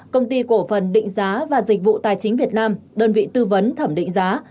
đơn vị tư vấn thẩm định giá và dịch vụ tài chính việt nam đơn vị tư vấn thẩm định giá